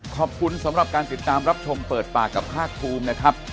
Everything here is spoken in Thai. ขอบคุณสำหรับการติดตามรับชมเปิดปากกับภาคภูมินะครับ